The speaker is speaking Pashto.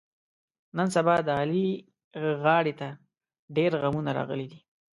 نن سبا د علي غاړې ته ډېرغمونه راغلي دي.